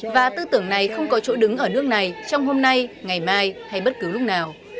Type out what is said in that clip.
và tư tưởng này không có chỗ đứng ở nước này trong hôm nay ngày mai hay bất cứ lúc nào